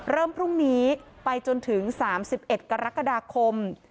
พรุ่งนี้ไปจนถึง๓๑กรกฎาคม